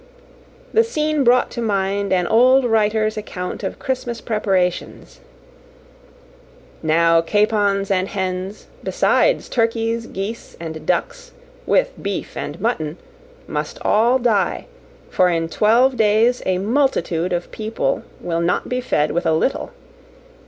The scene brought to mind an old writer's account of Christmas preparations: "Now capons and hens, besides turkeys, geese, and ducks, with beef and mutton must all die; for in twelve days a multitude of people will not be fed with a little.